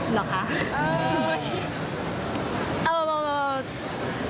เหรอคะ